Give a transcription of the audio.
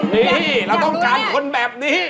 นี่เราต้องการคนแบบนี้